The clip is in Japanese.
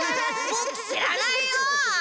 ボク知らないよ！